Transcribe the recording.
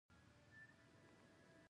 کیسه یې د تخلیقي زور په مټ ولوسته.